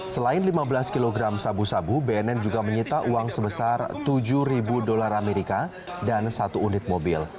selain lima belas kg sabu sabu bnn juga menyita uang sebesar tujuh ribu dolar amerika dan satu unit mobil